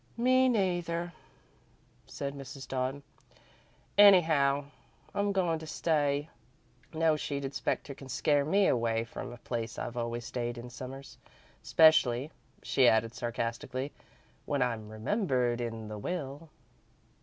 "Me neither," said Mrs. Dodd. "Anyhow, I'm goin' to stay. No sheeted spectre can't scare me away from a place I've always stayed in Summers, 'specially," she added, sarcastically, "when I'm remembered in the will."